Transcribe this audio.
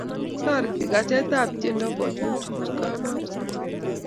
toritei kasetab tyendo kochuchuch kabwotutik